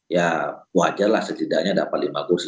ya wajarlah setidaknya dapat lima kursi